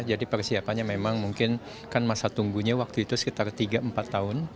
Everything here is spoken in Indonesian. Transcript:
jadi persiapannya memang mungkin kan masa tunggunya waktu itu sekitar tiga empat tahun